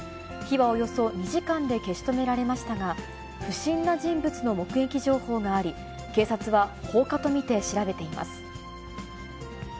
火はおよそ２時間で消し止められましたが、不審な人物の目撃情報があり、警察は放火と見て調べています。